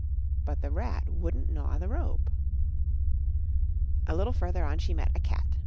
But the rat wouldn't gnaw the rope. A little further on she met a cat.